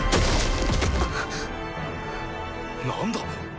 何だ？